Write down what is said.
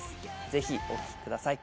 ぜひお聴きください。